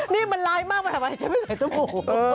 นี่มันร้ายมากมันทำไมจะไม่ใส่ตุ๊กหู